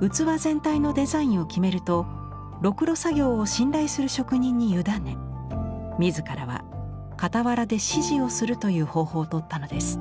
器全体のデザインを決めるとろくろ作業を信頼する職人に委ね自らは傍らで指示をするという方法をとったのです。